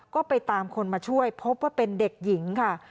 ก็ไปตามคนมาช่วยพบว่าเป็นเด็กหญิงค่ะ